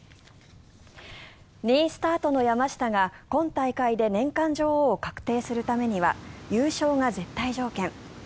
２位スタートの山下が今大会で年間女王を確定するためには優勝が絶対条件。